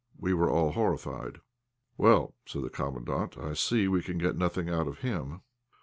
We were all horrified. "Well," said the Commandant, "I see we can get nothing out of him.